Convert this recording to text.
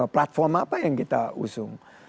platform apa yang kita usung